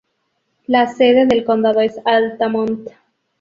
La sede del condado es Altamont.